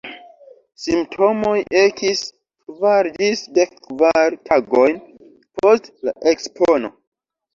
Simptomoj ekis kvar ĝis dekkvar tagojn post la ekspono.